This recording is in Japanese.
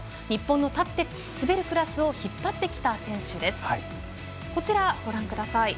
日本の立って滑るクラスを引っ張ってきた選手です。